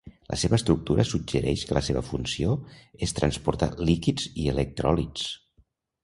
La seva estructura suggereix que la seva funció és transportar líquids i electròlits.